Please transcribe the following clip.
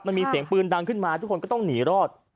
มันมีเสียงปืนดังขึ้นมาทุกคนก็ต้องหนีรอด